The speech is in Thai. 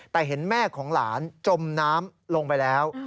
แต่เห็นแม่ของหลานจมน้ำลงไปแล้ว